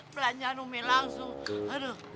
belanja nume langsung